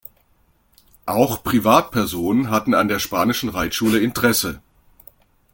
Auch Privatpersonen hatten an der Spanischen Reitschule Interesse.